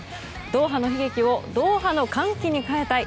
ドーハの悲劇をドーハの歓喜に変えたい。